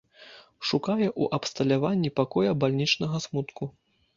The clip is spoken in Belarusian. Шукае ў абсталяванні пакоя бальнічнага смутку.